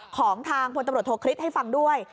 ของทางพลตำรวจโทษคริสต์ให้ฟังด้วย